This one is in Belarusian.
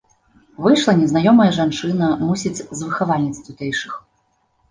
Выйшла незнаёмая жанчына, мусіць, з выхавальніц тутэйшых.